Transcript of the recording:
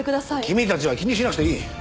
君たちは気にしなくていい。